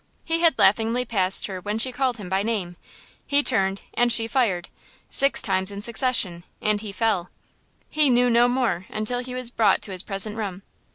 He had laughingly passed her when she called him by name, he turned and she fired–six times in succession, and he fell. He knew no more until he was brought to his present room.